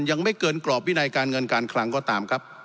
ยังไม่เกินกรอบวินัยการเงินการคลังก็ตามครับ